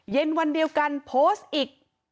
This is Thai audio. เย็นวันเดียวกันโพสต์อีก